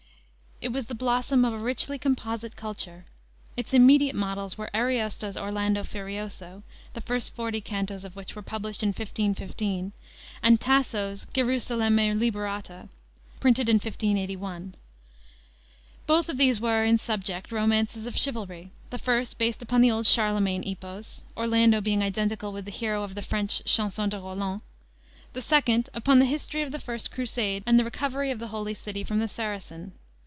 It was the blossom of a richly composite culture. Its immediate models were Ariosto's Orlando Furioso, the first forty cantos of which were published in 1515, and Tasso's Gerusalemme Liberata, printed in 1581. Both of these were, in subject, romances of chivalry, the first based upon the old Charlemagne epos Orlando being identical with the hero of the French Chanson de Roland the second upon the history of the first Crusade, and the recovery of the Holy City from the Saracen.